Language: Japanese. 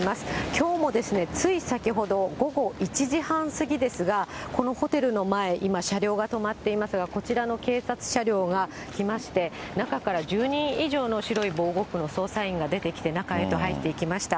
きょうもつい先ほど、午後１時半過ぎですが、このホテルの前、今、車両が止まっていますが、こちらの警察車両が来まして、中から１０人以上の白い防護服の捜査員が出てきて、中へと入っていきました。